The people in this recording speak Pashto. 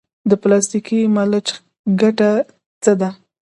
د پلاستیکي ملچ ګټه څه ده؟